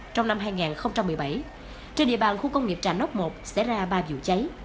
trong năm hai nghìn một mươi bảy trên địa bàn khu công nghiệp trà nóc một xảy ra ba vụ cháy